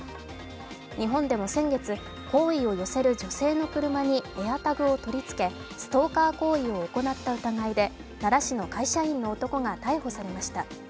日本でも先月、好意を寄せる女性の車にＡｉｒＴａｇを取り付けストーカー行為を行った疑いで奈良市の会社員の男が逮捕されました。